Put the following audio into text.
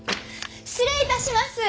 失礼致します。